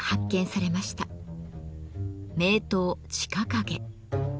名刀「近景」。